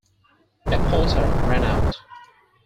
A porter ran out.